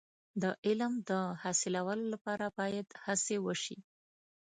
د علم د حاصلولو لپاره باید هڅې وشي.